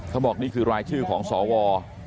เขาบอกนี่คือรายชื่อของสว